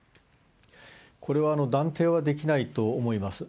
これは断定はできないと思います。